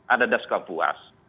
ada das kapuas